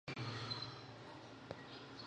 د حافظې پیاوړتیا د ډېرو خلکو هیله ده.